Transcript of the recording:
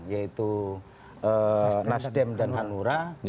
yaitu nasdem dan hanura